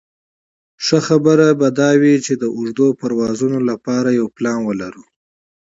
ښه خبره خو داده د اوږدو پروازونو لپاره یو پلان ولرو.